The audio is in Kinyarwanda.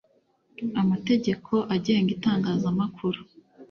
amategeko agenga itangazamakuru